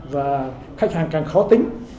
và khách hàng càng khó tính